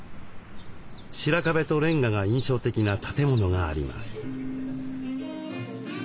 白壁とレンガが印象的な建物があります。